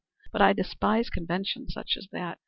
But I despise conventions such as that.